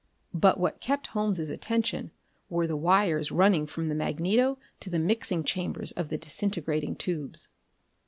But what kept Holmes' attention were the wires running from the magneto to the mixing chambers of the disintegrating tubes.